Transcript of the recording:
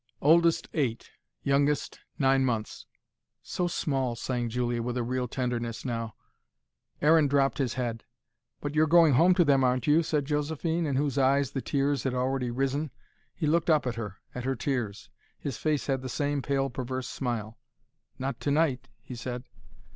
"Oldest eight youngest nine months " "So small!" sang Julia, with real tenderness now Aaron dropped his head. "But you're going home to them, aren't you?" said Josephine, in whose eyes the tears had already risen. He looked up at her, at her tears. His face had the same pale perverse smile. "Not tonight," he said.